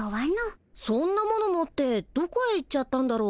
そんなもの持ってどこへ行っちゃったんだろ？